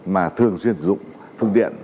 mà thường xuyên sử dụng phương tiện